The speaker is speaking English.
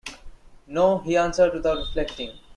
“No,” he answered without reflecting.